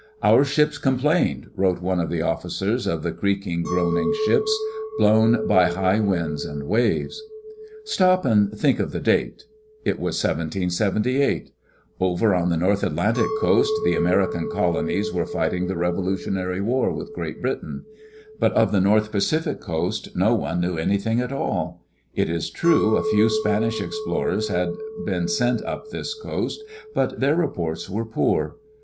"Our ships complained," wrote one of the officers of the creaking, groaning ships, blown by high winds and waves. Stop and think of the date. It was 1778. Over on the North Atlantic coast the American colonies were fight Digitized by CjOOQ IC EARLY DAYS IN OLD OREGON ing the Revolutionary War with Great Britain. But of the North Pacific coast no one knew anything at all. It is true a few Spanish explorers had been sent up this coast, but their reports were poor.